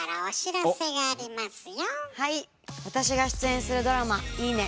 私が出演するドラマ「いいね！